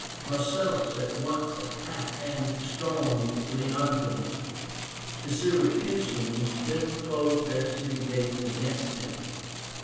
Marcellus at once attacked and stormed Leontini. The Syracusans then closed their city gates against him.